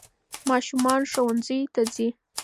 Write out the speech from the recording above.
ماشومان ښوونځیو ته ځي.